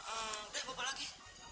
udah bapak lagi